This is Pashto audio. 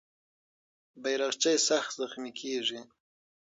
بیرغچی سخت زخمي کېږي.